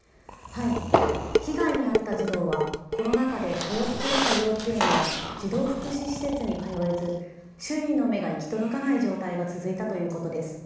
被害に遭った児童はコロナ禍で通っていた幼稚園や児童福祉施設に通えず、周囲の目が行き届かない状態が続いたということです。